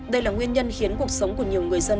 đây là nguyên nhân khiến cuộc sống của nhiều người dân